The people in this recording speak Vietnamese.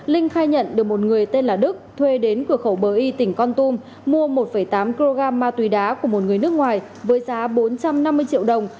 linh khai nhận được một người tên là đức thuê đến cửa khẩu bờ y tỉnh con tum mua một tám kg ma túy đá của một người nước ngoài với giá bốn trăm năm mươi triệu đồng